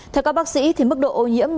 theo các bác sĩ thì mức độ ô nhiễm